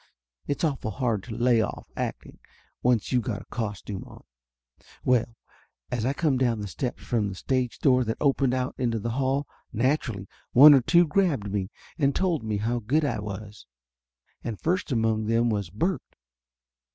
It's awful hard to lay off acting, once you got a costume on. Well, as I come down the steps from the stage door that opened out into the hall, naturally one or two grabbed me and told me how good I was, and first among them of course was Bert.